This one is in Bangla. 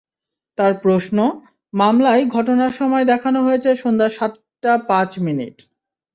তাঁর প্রশ্ন, মামলায় ঘটনার সময় দেখানো হয়েছে সন্ধ্যা সাতটা পাঁচ মিনিট।